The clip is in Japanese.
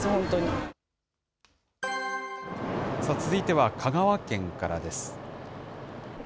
続いては、香川県からです。